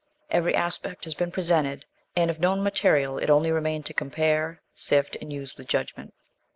Every aspect has been presented, and of known material it only remained to compare, sift, and use with judgment.